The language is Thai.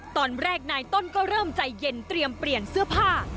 ตอนแรกนายต้นก็เริ่มใจเย็นเตรียมเปลี่ยนเสื้อผ้า